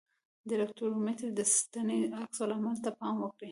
د الکترومتر د ستنې عکس العمل ته پام وکړئ.